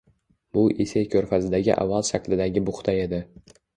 Bu Ise ko`rfazidagi oval shaklidagi buxta edi